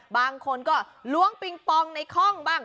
บางคนก็ล้วงปิงปองในคล่องบ้าง